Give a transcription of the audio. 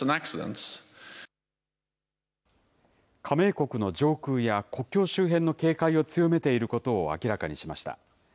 加盟国の上空や国境周辺の警戒を強めていることを明らかにしました。